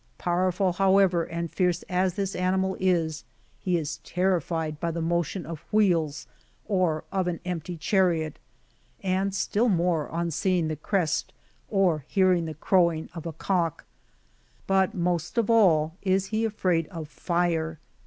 ^ Powerful, however, and fierce as this animal is, he is terrified by the motion of wheels or of an empty chariot, and still mfere on seeing the crest or hearing the crowing of a cock ;'' but most of all, is he afraid of fire.